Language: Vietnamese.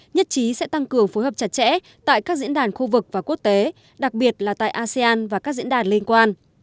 nhất trí sẽ tăng cường phối hợp chặt chẽ tại các diễn đàn khu vực và quốc tế đặc biệt là tại asean và các diễn đàn liên quan